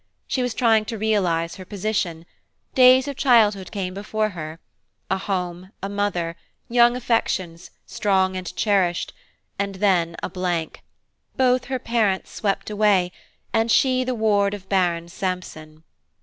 She was trying to realise her position: days of childhood came before her–a home, a mother, young affections, strong and cherished; and then a blank–both her parents swept away, and she the ward of Baron Sampson.